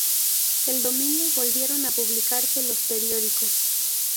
El domingo volvieron a publicarse los periódicos.